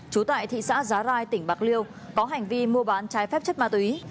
trú tại thị xã giá rai tỉnh bạc liêu có hành vi mua bán trái phép chất ma túy